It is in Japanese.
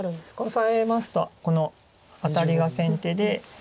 オサえますとこのアタリが先手で。